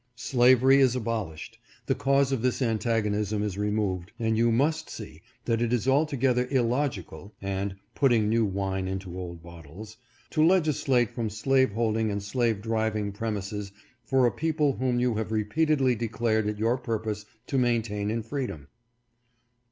Slavery is abolished. The cause of this antagonism is removed, and you must see that it is altogether illogical (and "putting new wine into old bottles ") to legislate from slaveholding and slave driving premises for a people whom you have repeatedly declared it your purpose to maintain in freedom.